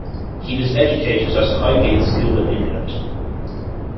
He was educated at Highgate School in England.